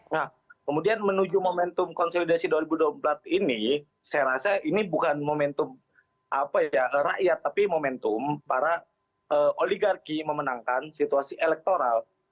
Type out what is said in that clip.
nah kemudian menuju momentum konsolidasi dua ribu dua puluh empat ini saya rasa ini bukan momentum rakyat tapi momentum para oligarki memenangkan situasi elektoral